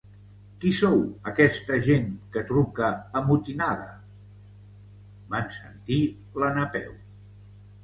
Qui sou, aquesta gent, que truca amotinada? —van sentir la Napeu.